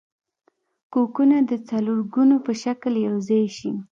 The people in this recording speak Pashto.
کوکونه د څلورګونو په شکل یوځای شي.